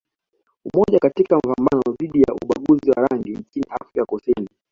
Umoja katika mapambano dhidi ya ubaguzi wa rangi nchini Afrika Kusini